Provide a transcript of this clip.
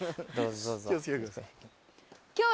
気を付けてください。